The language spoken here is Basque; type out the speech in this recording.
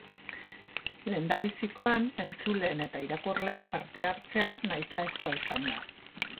Lehendabizikoan entzuleen eta irakurleen parte-hartzea nahitaezkoa izan da.